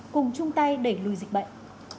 cùng chung tay đẩy lùi dịch bệnh